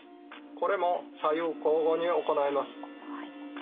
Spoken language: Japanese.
これも左右交互に行います。